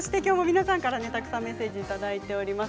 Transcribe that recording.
皆さんから、たくさんメッセージをいただいております。